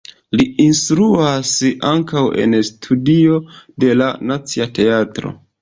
Li instruas ankaŭ en studio de la Nacia Teatro.